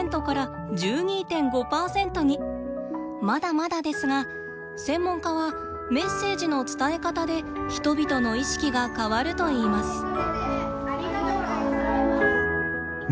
まだまだですが専門家はメッセージの伝え方で人々の意識が変わるといいます。